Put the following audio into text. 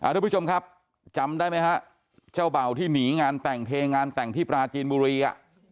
ทุกผู้ชมครับจำได้ไหมฮะเจ้าเบ่าที่หนีงานแต่งเทงานแต่งที่ปราจีนบุรีอ่ะ